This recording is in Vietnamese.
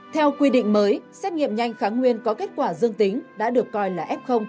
theo quy định mới xét nghiệm nhanh kháng nguyên có kết quả dương tính đã được coi là f